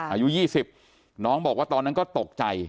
อายุ๒๐น้องบอกว่าตอนนั้นก็ตกใจ